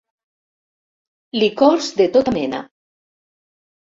Licors de tota mena.